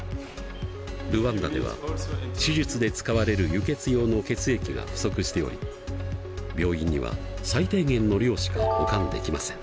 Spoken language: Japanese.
ルワンダでは手術で使われる輸血用の血液が不足しており病院には最低限の量しか保管できません。